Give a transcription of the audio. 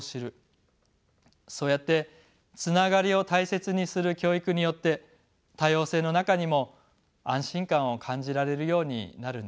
そうやってつながりを大切にする教育によって多様性の中にも安心感を感じられるようになるんです。